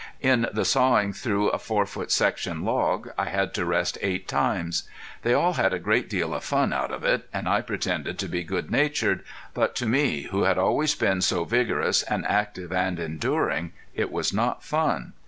In the sawing through a four foot section of log I had to rest eight times. They all had a great deal of fun out of it, and I pretended to be good natured, but to me who had always been so vigorous and active and enduring it was not fun.